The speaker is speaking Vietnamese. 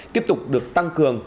tiếp tục được tăng cường